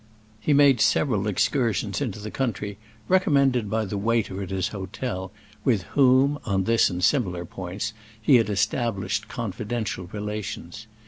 He made several excursions into the country, recommended by the waiter at his hotel, with whom, on this and similar points, he had established confidential relations.